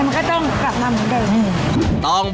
ขอบคุณมากด้วยค่ะพี่ทุกท่านเองนะคะขอบคุณมากด้วยค่ะพี่ทุกท่านเองนะคะ